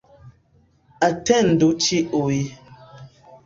Atendu ĉiuj